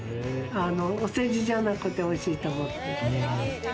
お世辞じゃなくて、おいしいと思ってる。